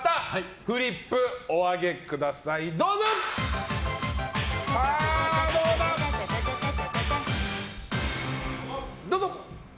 フリップお上げください、どうぞ。